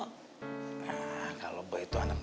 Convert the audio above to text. nah kalau boy itu anak mama berarti mama juga bahagia